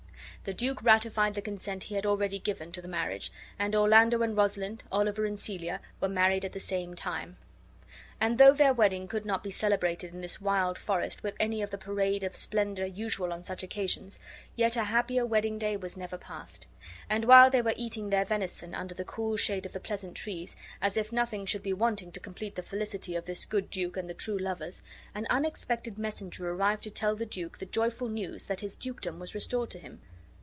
The duke ratified the consent he had already given to the marriage; and Orlando and Rosalind, Oliver and Celia, were married at the same time. And though their wedding could not be celebrated in this wild forest with any of the parade of splendor usual on such occasions, yet a happier wedding day was never passed. And while they were eating their venison under the cool shade of the pleasant trees, as if nothing should be wanting to complete the felicity of this good duke and the true lovers, an unexpected messenger arrived to tell the duke the joyful news that his dukedom was restored to him.